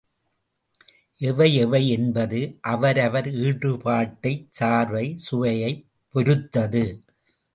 எவை எவை என்பது, அவரவர் ஈடுபாட்டை, சார்பை, சுவையைப் பொருத்தது.